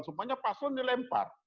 semuanya paslon dilempar